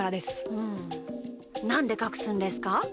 うんなんでかくすんですか？